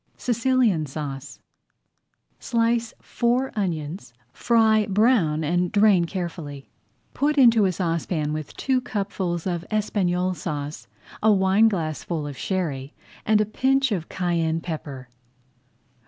SICILIAN SAUCE Slice four onions, fry brown and drain carefully. [Page 37] Put into a saucepan with two cupfuls of Espagnole Sauce, a wineglassful of sherry, and a pinch of cayenne pepper.